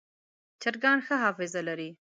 چرګان ښه حافظه لري.